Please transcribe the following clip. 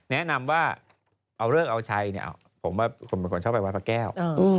แนะนำว่าเอาเลือกเอาไชผมเป็นคนชอบไปวัดพระแก้ว